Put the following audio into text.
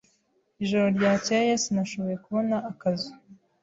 Ijoro ryakeye sinashoboye kubona akazu.